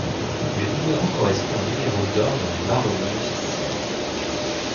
Le numéro correspond au numéro d'ordre du marronnier officiel.